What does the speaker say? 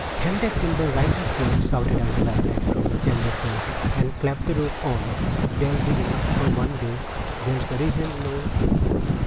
"Hand that timber right up here," shouted Uncle Isaac, from the chamber floor, "and clap the roof on. That'll be enough for one day; there's reason in all things."